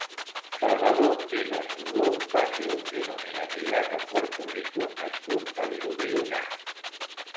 Salvador Vives Rodo va ser un gironí emigrat a Puerto Rico nascut a Vilobí d'Onyar.